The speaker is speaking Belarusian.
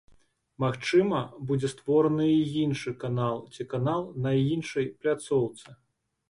Магчыма, будзе створаны і іншы канал ці канал на іншай пляцоўцы.